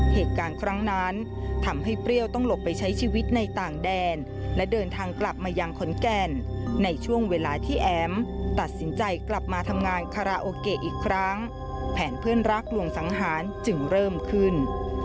เหตุการณ์ครั้งนั้นทำให้เปรี้ยวต้องหลบไปใช้ชีวิตในต่างแดนและเดินทางกลับมายังขอนแก่นในช่วงเวลาที่แอ๋มตัดสินใจกลับมาทำงานคาราโอเกะอีกครั้งแผนเพื่อนรักลวงสังหารจึงเริ่มขึ้น